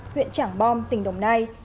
huyện trảng bom tỉnh đồng nai